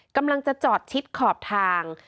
กำลังจะจอดชิดขอบทาง